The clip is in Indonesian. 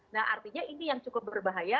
nah artinya ini yang cukup berbahaya